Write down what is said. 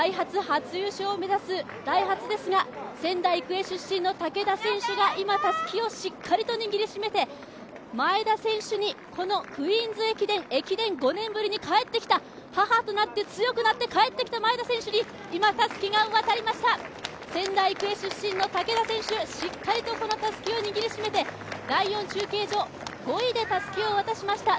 初優勝を目指すダイハツですが仙台育英出身の武田選手が今、たすきをしっかりと握りしめて、前田選手にクイーンズ駅伝、駅伝５年ぶりに帰ってきた、母となって強くなって帰ってきた前田選手に今、たすきが渡りました仙台育英出身の武田選手、しっかりたすきを握りしめて第４中継所、５位でたすきを渡しました。